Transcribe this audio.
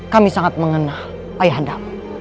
kami sangat mengenal ayah dam